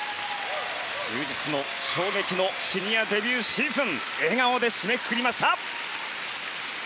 充実の、衝撃のシニアデビューシーズン笑顔で締めくくりました！